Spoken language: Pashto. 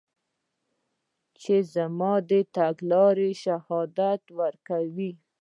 چې زما د راتګ شهادت ورکوي